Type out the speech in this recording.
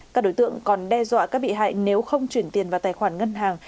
các đối tượng còn đe dọa các bị hại nếu không chuyển tiền vào tài khoản ngân hàng